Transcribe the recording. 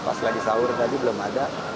pas lagi sahur tadi belum ada